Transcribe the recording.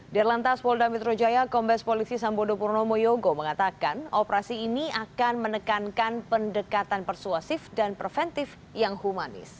di lantas polda metro jaya kombes polisi sambodo purnomo yogo mengatakan operasi ini akan menekankan pendekatan persuasif dan preventif yang humanis